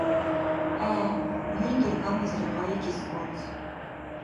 ГӀе, нуни дарган мезли гъайикӀес балас.